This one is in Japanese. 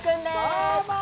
どうも！